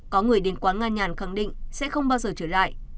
có người đến quán nga nhàn khẳng định sẽ không bao giờ trở lại